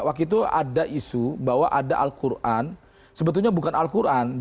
waktu itu ada isu bahwa ada al quran sebetulnya bukan al quran